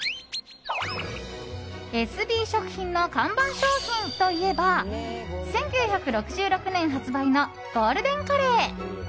エスビー食品の看板商品といえば１９６６年発売のゴールデンカレー。